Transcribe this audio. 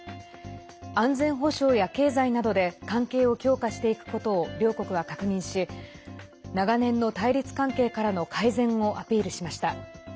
安全保障や経済などで関係を強化していくことを両国は確認し長年の対立関係からの改善をアピールしました。